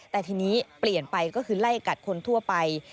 แต่ทีนี้เปลี่ยนไปก็คือไล่กัดคนทั่วไป